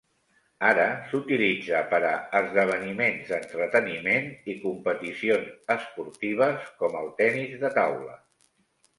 Ara s'utilitza per a esdeveniments d'entreteniment i competicions esportives, com el tennis de taula.